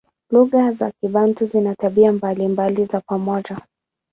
Lugha za Kibantu zina tabia mbalimbali za pamoja.